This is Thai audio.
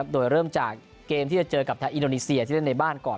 โดยเริ่มจากเกมที่จะเจอกับทางอินโดนีเซียที่เล่นในบ้านก่อน